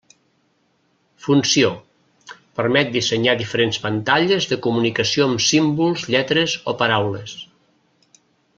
Funció: permet dissenyar diferents pantalles de comunicació amb símbols, lletres o paraules.